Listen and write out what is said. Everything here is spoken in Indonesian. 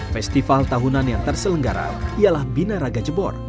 festival tahunan yang terselenggara ialah bina raga jebor